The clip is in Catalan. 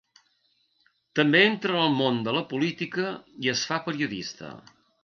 També entra en el món de la política i es fa periodista.